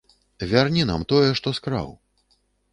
Вярні нам тое, што скраў.